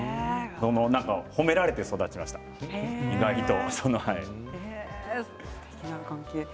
褒められて育ちました、意外と。